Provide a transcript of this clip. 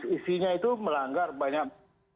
isinya itu melanggar banyak